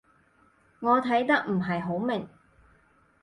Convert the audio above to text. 我睇得唔係好明